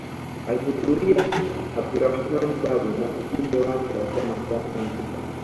Alihudhuria Abdulrahman Babu na ujumbe wake wa chama cha Zanzibar